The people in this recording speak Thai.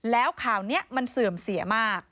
แล้วข่าวนี้มันเสื่อมเสียมาก